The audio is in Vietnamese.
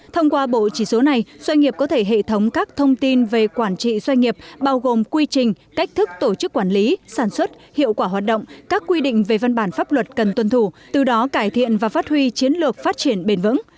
thông qua bộ chỉ số này doanh nghiệp có thể hệ thống các thông tin về quản trị doanh nghiệp bao gồm quy trình cách thức tổ chức quản lý sản xuất hiệu quả hoạt động các quy định về văn bản pháp luật cần tuân thủ từ đó cải thiện và phát huy chiến lược phát triển bền vững